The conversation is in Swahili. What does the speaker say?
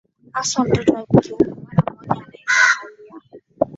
haswa mtoto wa kiume mara moja kunainua hali ya